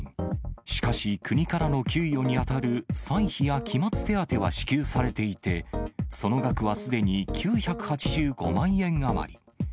しかし、国からの給与に当たる歳費や期末手当は支給されていて、その額はすでに９８５万円余り。